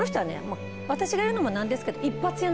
私が言うのも何ですけど。